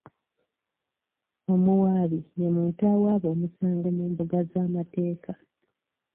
Omuwaabi ye muntu awaaba omusango mu mbuga z'amateeka.